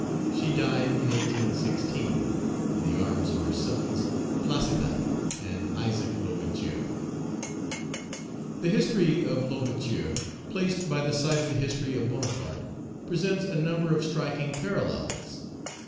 she died in 1816, in the arms of her sons, Placide and Isaac L'Ouverture. The history of L'Ouverture, placed by the side of the history of Bonaparte, presents a number of striking parallels.